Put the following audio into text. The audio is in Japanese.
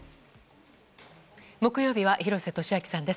木曜日は廣瀬俊朗さんです。